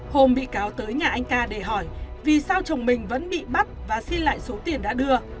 hôm bị cáo tới nhà anh ca để hỏi vì sao chồng mình vẫn bị bắt và xin lại số tiền đã đưa